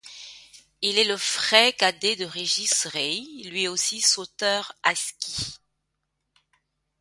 Il est le frère cadet de Régis Rey, lui aussi sauteur à ski.